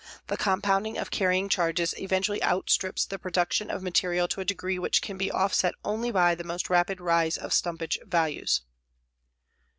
The compounding of carrying charges eventually outstrips the production of material to a degree which can be offset only by the most rapid rise of stumpage values.